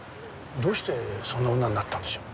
どうしてそんな女になったんでしょう？